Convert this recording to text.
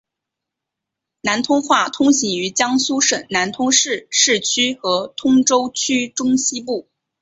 南通话通行于江苏省南通市市区和通州区中西部。